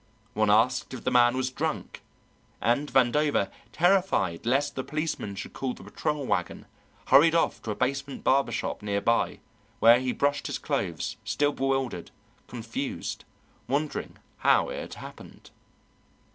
One asked if the man was drunk, and Vandover, terrified lest the policeman should call the patrol wagon, hurried off to a basement barber shop near by, where he brushed his clothes, still bewildered, confused, wondering how it had happened.